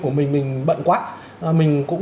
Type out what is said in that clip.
của mình mình bận quá mình cũng